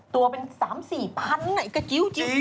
ถ้ว่าเป็น๓๓๐๐๐ปกติกระจิ้ว